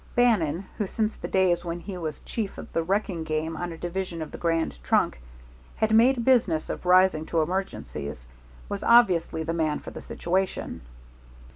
Bannon, who, since the days when he was chief of the wrecking gang on a division of the Grand Trunk, had made a business of rising to emergencies, was obviously the man for the situation.